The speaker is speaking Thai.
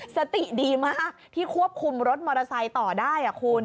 สติดีมากที่ควบคุมรถมอเตอร์ไซค์ต่อได้คุณ